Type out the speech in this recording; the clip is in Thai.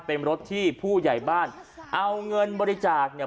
เป็นรถที่ผู้ใหญ่บ้านเอาเงินบริจาคเนี่ย